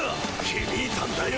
ひびいたんだよ。